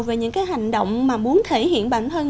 về những cái hành động mà muốn thể hiện bản thân